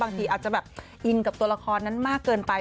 บางทีอาจจะแบบอินกับตัวละครนั้นมากเกินไป